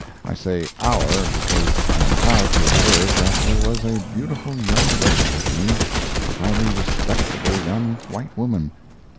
[I say "our" because I am proud to observe that there was a beautiful young lady with me—a highly respectable young white woman.